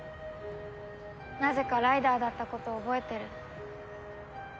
なぜかライダーだったことを覚えてる。